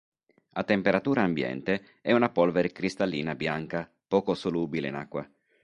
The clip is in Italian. A temperatura ambiente è una polvere cristallina bianca, poco solubile in acqua.